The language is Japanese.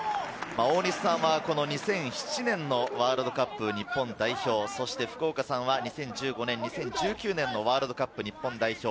大西さんは２００７年のワールドカップ日本代表、福岡さんは２０１５年、２０１９年のワールドカップ日本代表。